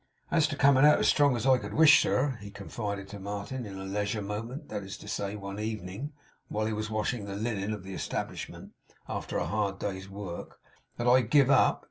'As to coming out as strong as I could wish, sir,' he confided to Martin in a leisure moment; that is to say, one evening, while he was washing the linen of the establishment, after a hard day's work, 'that I give up.